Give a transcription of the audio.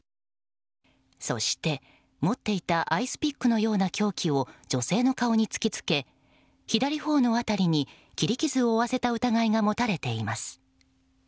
そして、持っていたアイスピックのような凶器を女性の顔に突き付け左頬の辺りに切り傷を負わせた疑いが持たれています。